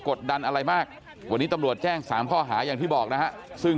กดดันอะไรมากวันนี้ตำรวจแจ้ง๓ข้อหาอย่างที่บอกนะฮะซึ่ง